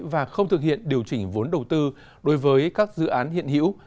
và không thực hiện điều chỉnh vốn đầu tư đối với các dự án hiện hữu